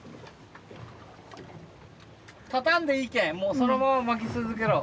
立たんでいいけんもうそのまま巻き続けろ。